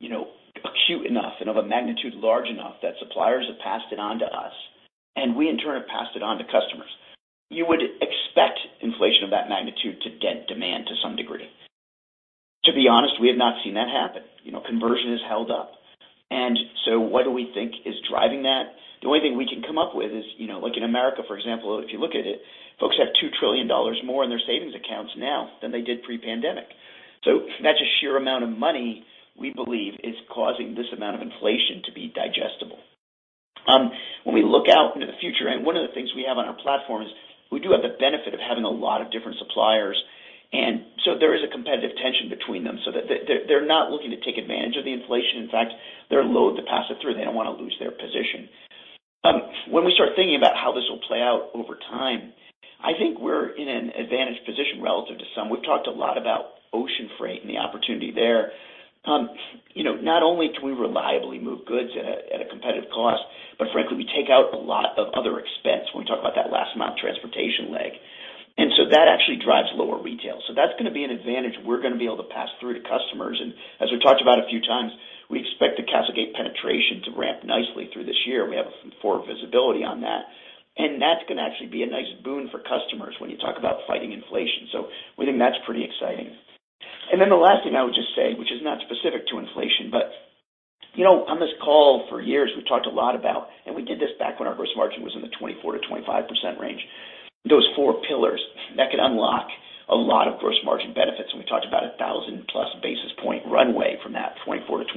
you know, acute enough and of a magnitude large enough that suppliers have passed it on to us, and we in turn have passed it on to customers. You would expect inflation of that magnitude to dent demand to some degree. To be honest, we have not seen that happen. You know, conversion has held up. What do we think is driving that? The only thing we can come up with is, you know, like in America, for example, if you look at it, folks have $2 trillion more in their savings accounts now than they did pre-pandemic. That's a sheer amount of money we believe is causing this amount of inflation to be digestible. When we look out into the future, and one of the things we have on our platform is we do have the benefit of having a lot of different suppliers. So there is a competitive tension between them, so that they're not looking to take advantage of the inflation. In fact, they're loathe to pass it through. They don't wanna lose their position. When we start thinking about how this will play out over time, I think we're in an advantaged position relative to some. We've talked a lot about ocean freight and the opportunity there. You know, not only can we reliably move goods at a competitive cost, but frankly, we take out a lot of other expense when we talk about that last mile transportation leg. So that actually drives lower retail. That's gonna be an advantage we're gonna be able to pass through to customers. As we've talked about a few times, we expect the CastleGate penetration to ramp nicely through this year. We have forward visibility on that. That's gonna actually be a nice boon for customers when you talk about fighting inflation. We think that's pretty exciting. Then the last thing I would just say, which is not specific to inflation, but, you know, on this call for years, we've talked a lot about, and we did this back when our gross margin was in the 24%-25% range, those four pillars that could unlock a lot of gross margin benefits. We talked about a 1,000+ basis point runway from that 24-25.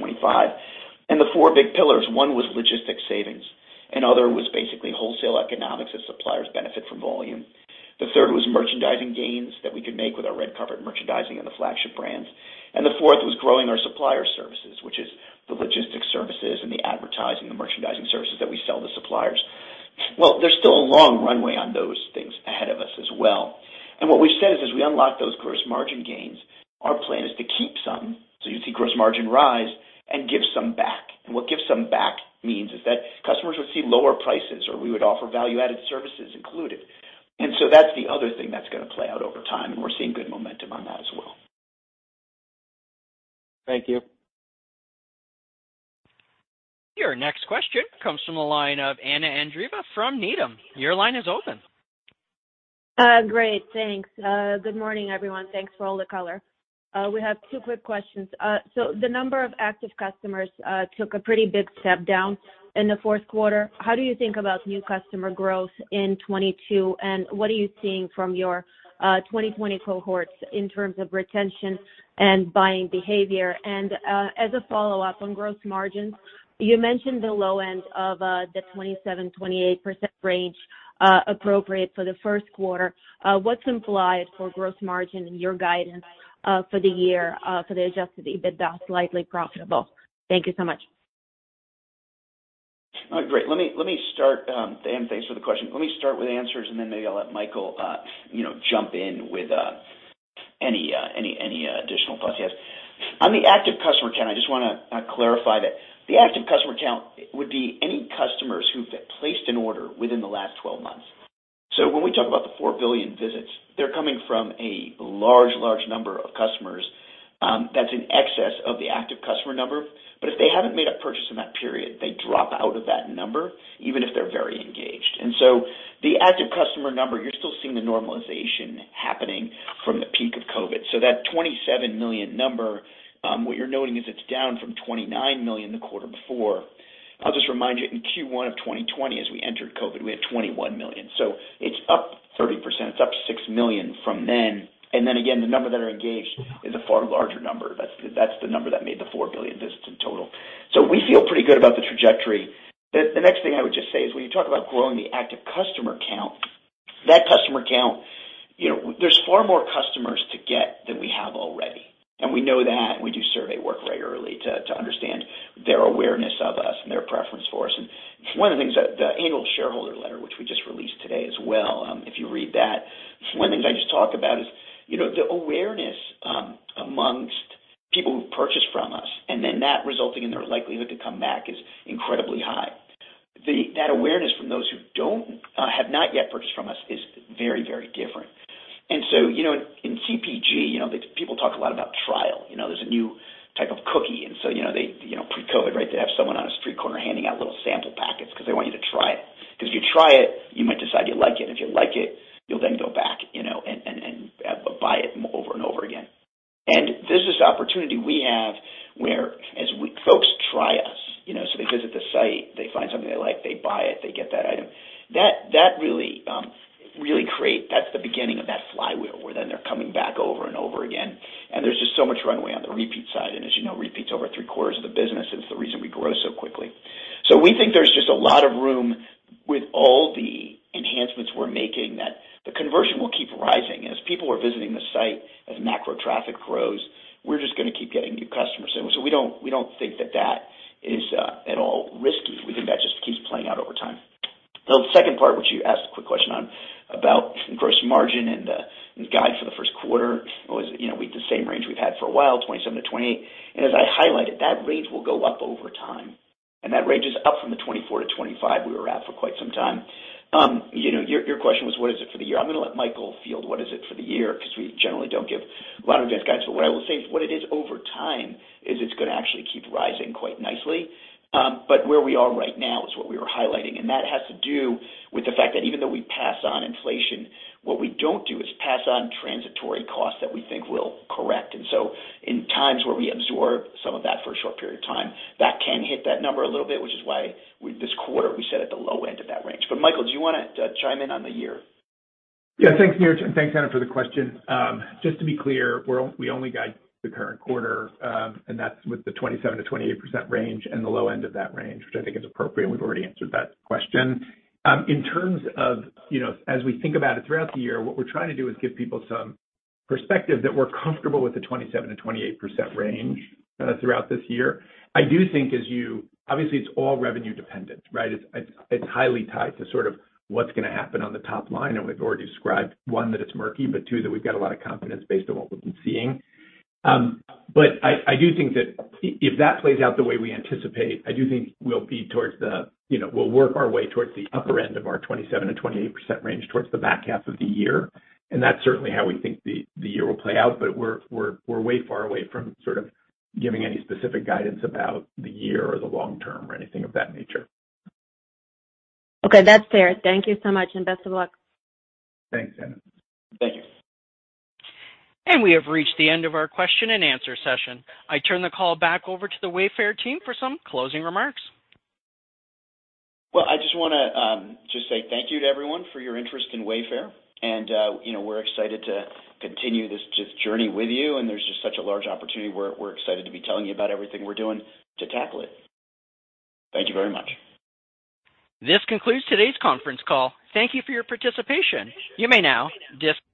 The four big pillars, one was logistics savings, another was basically wholesale economics as suppliers benefit from volume. The third was merchandising gains that we could make with our red carpet merchandising and the flagship brands. The fourth was growing our supplier services, which is the logistics services and the advertising, the merchandising services that we sell to suppliers. Well, there's still a long runway on those things ahead of us as well. What we've said is, as we unlock those gross margin gains, our plan is to keep some, so you see gross margin rise, and give some back. What give some back means is that customers would see lower prices or we would offer value-added services included. That's the other thing that's gonna play out over time, and we're seeing good momentum on that as well. Thank you. Your next question comes from the line of Anna Andreeva from Needham. Your line is open. Great. Thanks. Good morning, everyone. Thanks for all the color. We have two quick questions. The number of active customers took a pretty big step down in the fourth quarter. How do you think about new customer growth in 2022, and what are you seeing from your 2020 cohorts in terms of retention and buying behavior? As a follow-up on gross margins, you mentioned the low end of the 27%-28% range appropriate for the first quarter. What's implied for gross margin in your guidance for the year for the Adjusted EBITDA slightly profitable? Thank you so much. Oh, great. Let me start, Dan, thanks for the question. Let me start with answers, and then maybe I'll let Michael, you know, jump in with any additional thoughts. Yes. On the active customer count, I just wanna clarify that the active customer count would be any customers who've placed an order within the last 12 months. So when we talk about the 4 billion visits, they're coming from a large number of customers, that's in excess of the active customer number. But if they haven't made a purchase in that period, they drop out of that number, even if they're very engaged. The active customer number, you're still seeing the normalization happening from the peak of COVID. So that 27 million number, what you're noting is it's down from 29 million the quarter before. I'll just remind you, in Q1 of 2020, as we entered COVID, we had 21 million. It's up 30%. It's up 6 million from then. Then again, the number that are engaged is a far larger number. That's the number that made the 4 billion visits in total. We feel pretty good about the trajectory. The next thing I would just say is when you talk about growing the active customer count, that customer count, you know, there's far more customers to get than we have already. We know that, and we do survey work regularly to understand their awareness of us and their preference for us. One of the things that the annual shareholder letter, which we just released today as well, if you read that, one of the things I just talk about is, you know, the awareness among people who've purchased from us, and then that resulting in their likelihood to come back is incredibly high. That awareness from those who have not yet purchased from us is very, very different. You know, in CPG, you know, people talk a lot about trial. You know, there's a new type of cookie, and so, you know, they, the current quarter, and that's with the 27%-28% range and the low end of that range, which I think is appropriate, and we've already answered that question. In terms of, you know, as we think about it throughout the year, what we're trying to do is give people some perspective that we're comfortable with the 27%-28% range throughout this year. I do think as you... Obviously it's all revenue dependent, right? It's highly tied to sort of what's gonna happen on the top line, and we've already described, one, that it's murky, but two, that we've got a lot of confidence based on what we've been seeing. I do think that if that plays out the way we anticipate, I do think we'll be towards the, you know, we'll work our way towards the upper end of our 27%-28% range towards the back half of the year. That's certainly how we think the year will play out. We're way far away from sort of giving any specific guidance about the year or the long term or anything of that nature. Okay, that's fair. Thank you so much, and best of luck. Thanks, Anna. Thank you. We have reached the end of our question and answer session. I turn the call back over to the Wayfair team for some closing remarks. Well, I just wanna just say thank you to everyone for your interest in Wayfair. You know, we're excited to continue this just journey with you, and there's just such a large opportunity. We're excited to be telling you about everything we're doing to tackle it. Thank you very much. This concludes today's conference call. Thank you for your participation. You may now disconnect.